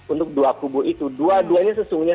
untuk dua kubu itu dua duanya sesungguhnya